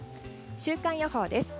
週間予報です。